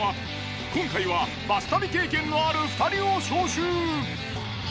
今回はバス旅経験のある２人を招集。